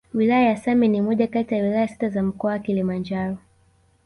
Wilaya ya Same ni moja kati ya Wilaya sita za mkoa wa Kilimanjaro